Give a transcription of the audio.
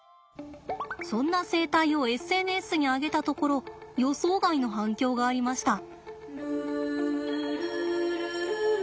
そんな生態をＳＮＳに上げたところ予想外の反響がありました。